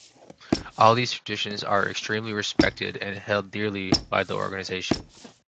All these traditions are extremely respected and held dearly by the organization.